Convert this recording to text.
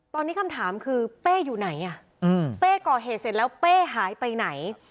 ตอนนี้คำถามคือเป้อยู่ไหนอ่ะเป้ก่อเหตุเสร็จแล้วเป้หายไปไหน